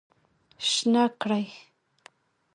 شنه کړی